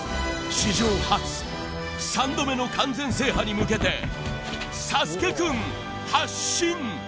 史上初３度目の完全制覇に向けてサスケくん発進！